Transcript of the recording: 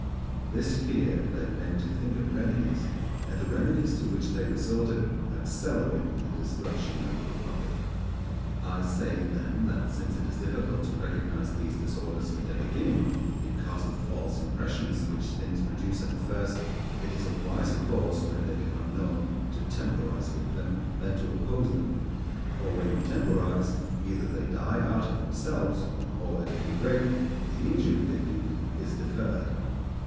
This fear led men to think of remedies, and the remedies to which they resorted accelerated the destruction of the republic. I say, then, that since it is difficult to recognize these disorders in their beginning, because of the false impressions which things produce at the first, it is a wiser course when they become known, to temporize with them than to oppose them; for when you temporize, either they die out of themselves, or at any rate the injury they do is deferred.